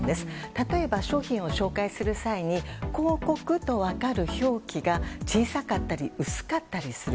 例えば、商品を紹介する際に広告と分かる表記が小さかったり薄かったりする。